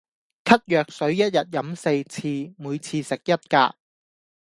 咳藥水一日飲四次，每次食一格